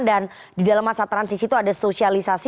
dan di dalam masa transisi itu ada sosialisasi